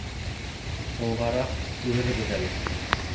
— Һуңғараҡ күрербеҙ әле.